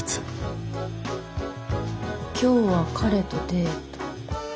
「今日は彼とデート」。